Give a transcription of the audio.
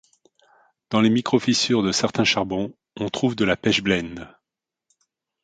Dans les microfissures de certains charbons, on trouve de la pechblende.